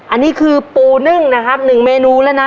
อันนี้คือปูนึ่งนะครับ๑เมนูแล้วนะ